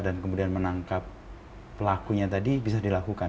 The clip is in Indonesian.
dan kemudian menangkap pelakunya tadi bisa dilakukan